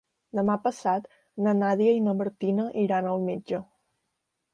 Demà passat na Nàdia i na Martina iran al metge.